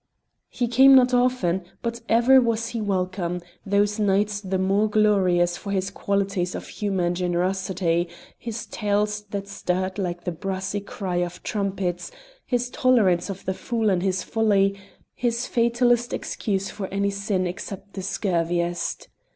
He came not often, but ever was he welcome, those nights the more glorious for his qualities of humour and generosity, his tales that stirred like the brassy cry of trumpets, his tolerance of the fool and his folly, his fatalist excuse for any sin except the scurviest.